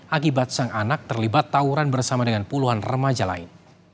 akibat sang anak terlibat tawuran bersama dengan puluhan remaja lain